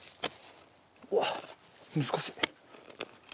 うわっ難しい。